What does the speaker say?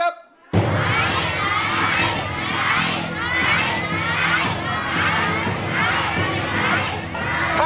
ครับมีแฟนเขาเรียกร้อง